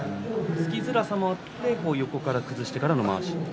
突きづらさもあって横から崩してからのまわし。